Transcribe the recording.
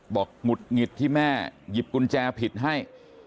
หงุดหงิดที่แม่หยิบกุญแจผิดให้